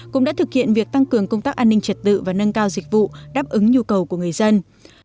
cũng đã thực hiện việc tăng cường công tác an ninh trật tự và nâng cao dịch vụ đáp ứng nhu cầu của người dân